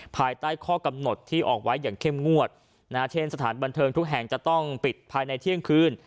ภายใต้ข้อกำหนดที่ออกไว้อย่างเข้มงวดนะฮะเช่นสถานบันเทิงทุกแห่งจะต้องปิดภายในเที่ยงคืน